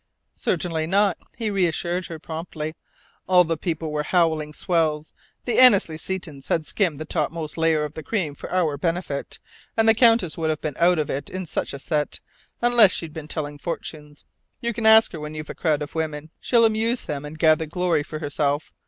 "Certainly not," he reassured her, promptly. "All the people were howling swells. The Annesley Setons had skimmed the topmost layer of the cream for our benefit, and the Countess would have been 'out' of it in such a set, unless she'd been telling fortunes. You can ask her when you've a crowd of women. She'll amuse them, and gather glory for herself.